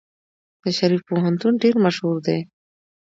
د شریف پوهنتون ډیر مشهور دی.